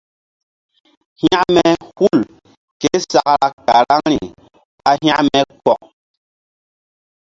Hȩkme hul késakra karaŋri ɓa hȩkme kɔk.